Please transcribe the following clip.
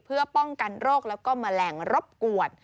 เพื่อป้องกันโรคแล้วก็แมลงรบกวน